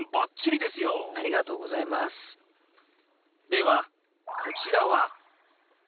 ではこちらは。